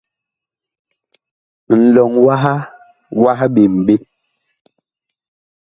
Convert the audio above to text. Ŋlɔŋ waha wah ɓem ɓe.